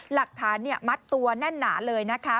หลักฐานมัดตัวแน่นหนาเลยนะคะ